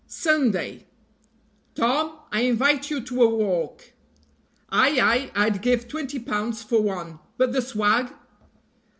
SUNDAY. "TOM, I invite you to a walk." "Ay! ay! I'd give twenty pounds for one; but the swag?"